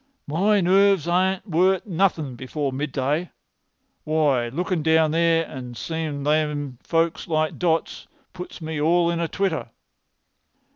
"My nerves are worth nothin' before midday. Why, lookin' down there, and seem' those folks like dots, puts me all in a twitter.